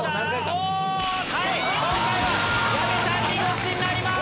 今回は矢部さんにゴチになります。